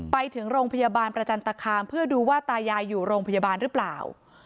ไปถึงโรงพยาบาลประจันตคามเพื่อดูว่าตายายอยู่โรงพยาบาลหรือเปล่า